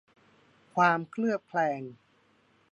ความเคลือบแคลง